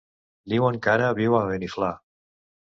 Diuen que ara viu a Beniflà.